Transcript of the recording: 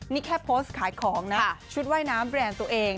นี่แค่โพสต์ขายของนะชุดว่ายน้ำแบรนด์ตัวเอง